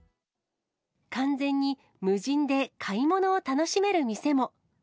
完全に無人で買い物を楽しめる店も。